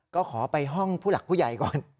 ก็ขอไปห้องผู้หลักผู้ใหญ่ก่อน